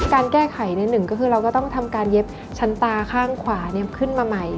การแก้ไขในหนึ่งก็คือเราก็ต้องทำการเย็บชั้นตาข้างขวาขึ้นมาใหม่